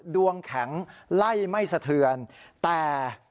ดวงแข็งไล่ไม่สะเทือนแต่